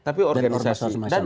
dan ormas ormas islam yang lain